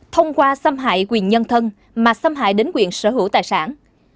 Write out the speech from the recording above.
thông qua xâm hại quyền nhân thân mà xâm hại đến quyền sở hữu tài sản